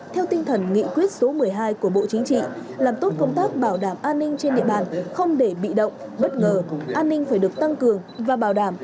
theo tinh thần nghị quyết số một mươi hai của bộ chính trị làm tốt công tác bảo đảm an ninh trên địa bàn không để bị động bất ngờ an ninh phải được tăng cường và bảo đảm